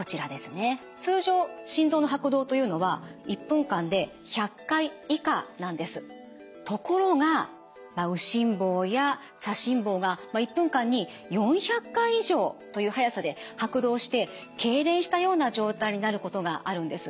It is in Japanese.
通常ところが右心房や左心房が１分間に４００回以上という速さで拍動してけいれんしたような状態になることがあるんです。